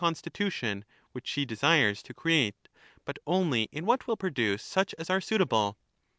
constitution which she desires to create, but only in what will produce such as are suitable.